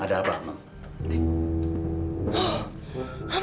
ada apa mam